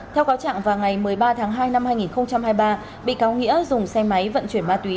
theo cáo trạng vào ngày một mươi ba tháng hai năm hai nghìn hai mươi ba bị cáo nghĩa dùng xe máy vận chuyển ma túy